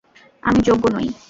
আমি যোগ্য নই।